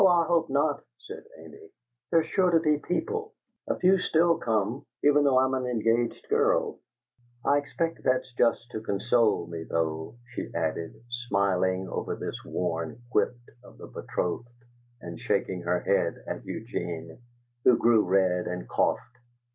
"Oh, I hope not," said Mamie. "There are sure to be people: a few still come, even though I'm an engaged girl. I expect that's just to console me, though," she added, smiling over this worn quip of the betrothed, and shaking her head at Eugene, who grew red and coughed.